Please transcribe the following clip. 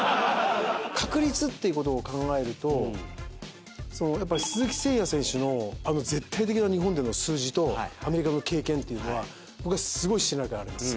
確率っていう事を考えるとやっぱり鈴木誠也選手のあの絶対的な日本での数字とアメリカの経験っていうのは僕はすごい信頼があります。